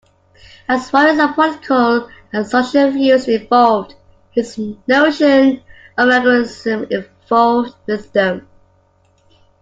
As Warren's political and social views evolved, his notion of Agrarianism evolved with them.